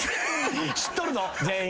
知っとるぞ全員。